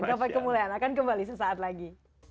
gapai kemuliaan akan kembali sesaat lagi